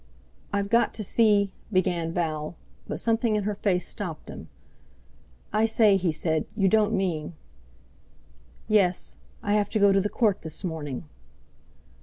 "I've got to see...." began Val, but something in her face stopped him. "I say," he said, "you don't mean...." "Yes, I have to go to the Court this morning."